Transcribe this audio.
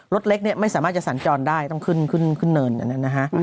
รถเล็กเนี่ยไม่สามารถจะสัญจรได้ต้องขึ้นขึ้นเนินกันนะฮะ